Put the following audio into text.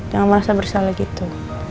jangan merasa bersalah gitu